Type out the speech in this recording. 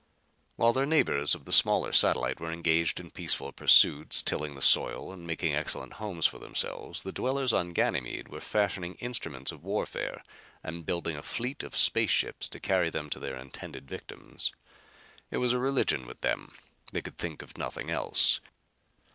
While their neighbors of the smaller satellite were engaged in peaceful pursuits, tilling the soil and making excellent homes for themselves, the dwellers on Ganymede were fashioning instruments of warfare and building a fleet of space ships to carry them to their intended victims. It was a religion with them; they could think of nothing else.